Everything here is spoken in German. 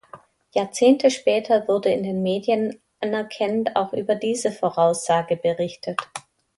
Jahrzehnte später wurde in den Medien anerkennend auch über diese Voraussage berichtet.